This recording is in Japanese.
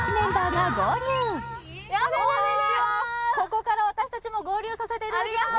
ここから私たちも合流させていただきます